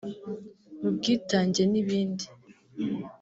mu bwitange n’ibindi